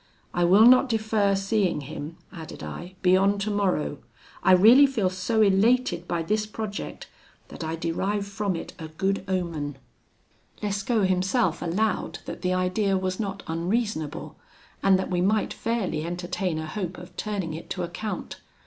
I will not defer seeing him,' added I, 'beyond tomorrow. I really feel so elated by this project, that I derive from it a good omen.' "Lescaut himself allowed that the idea was not unreasonable, and that we might fairly entertain a hope of turning it to account.